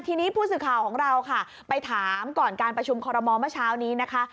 ทีนี้ผู้สื่อข่าวของเราค่ะไปถามก่อนการประชุมคอรมอลเมื่อเช้านี้นะคะ